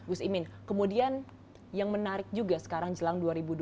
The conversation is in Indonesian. usimin kemudian yang menarik juga sekarang jelas dua ribu dua puluh empat